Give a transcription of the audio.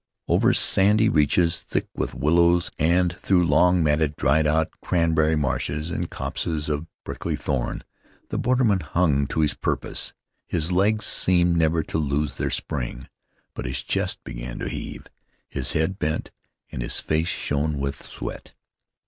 Over sandy reaches thick with willows, and through long, matted, dried out cranberry marshes and copses of prickly thorn, the borderman hung to his purpose. His legs seemed never to lose their spring, but his chest began to heave, his head bent, and his face shone with sweat.